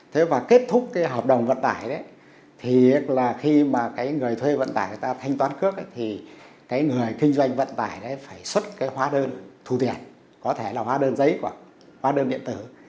thế và kết thúc cái hợp đồng vận tải đấy thì là khi mà cái người thuê vận tải người ta thanh toán cước thì cái người kinh doanh vận tải đấy phải xuất cái hóa đơn thù tiền có thể là hóa đơn giấy của hóa đơn điện tử